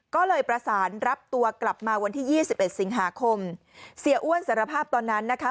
ก็เลยประสานรับตัวกลับมาวันที่ยี่สิบเอ็ดสิงหาคมเสียอ้วนสารภาพตอนนั้นนะคะ